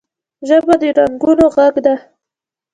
ژبه د رنګونو غږ ده